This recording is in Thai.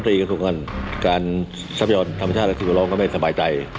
ถูกกันการทำประโยชน์ธรรมชาติสินปัลลมก็ไม่ทับใจ